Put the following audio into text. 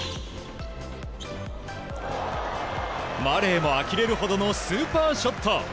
マレーもあきれるほどのスーパーショット。